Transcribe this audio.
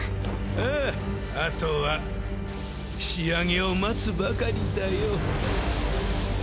ああ後は仕上げを待つばかりだよ。